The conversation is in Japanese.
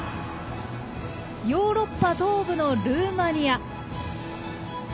ヨーロッパ東部のルーマニア。